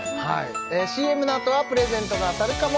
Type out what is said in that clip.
ＣＭのあとはプレゼントが当たるかも？